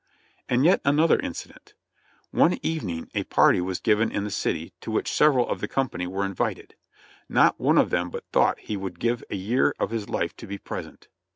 And yet another incident: One evening a party was given in the city, to which several of the company were invited. Not one of them but thought he would give a year of his life to be present.